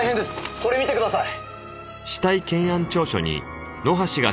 これ見てください！